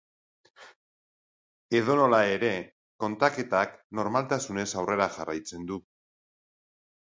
Edonola ere, kontaketak normaltasunez aurrera jarraitzen du.